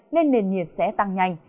nên nền nhiệt sẽ tăng nhanh